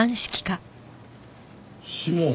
指紋？